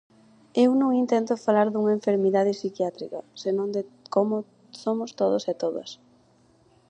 Eu non intento falar dunha enfermidade psiquiátrica, senón de como somos todos e todas.